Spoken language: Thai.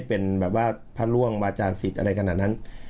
เป็นแบบว่าพระร่วงวาจารย์สิทธิ์อะไรขนาดนั้น